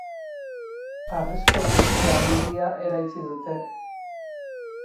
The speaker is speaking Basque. Harrizko gurutze handia eraitsi dute.